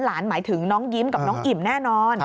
หมายถึงน้องยิ้มกับน้องอิ่มแน่นอน